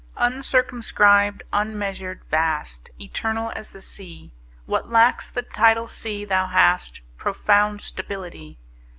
UNCIRCUMSCRIBED, unmeasured, vast, Eternal as the Sea; What lacks the tidal sea thou hast Profound stability.